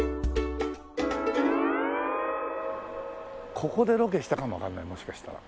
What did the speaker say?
ここでロケしたかもわかんないもしかしたら。